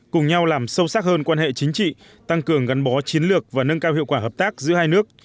cùng nhau làm sâu sắc hơn quan hệ chính trị tăng cường gắn bó chiến lược và nâng cao hiệu quả hợp tác giữa hai nước